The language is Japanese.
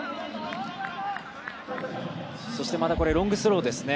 そしてロングスローですね。